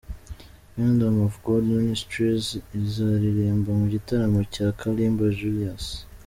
Kingdom of God Ministries izaririmba mu gitaramo cya Kalimba Julius.